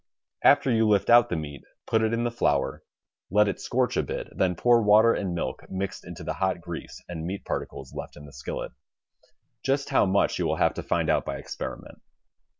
After you lift out the meat, put in the flour, let it scorch a bit, then pour water and milk mixed into the hot grease and meat particles left in the skillet. Just how much, you will have to find out by experiment.